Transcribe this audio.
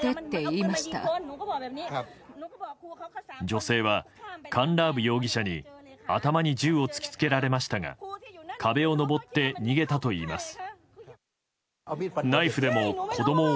女性はカンラーブ容疑者に頭に銃を突き付けられましたが壁を登って逃げたといいます。